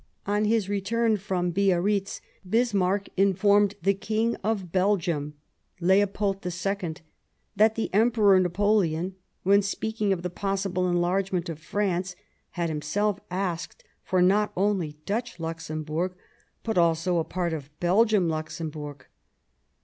On his return from Biarritz, Bismarck informed the King of Belgium, Leopold II, that the Emperor Napoleon, when speaking of the possible enlargement of France, had himself asked for not only Dutch Luxemburg but also a part of Belgian Luxemburg.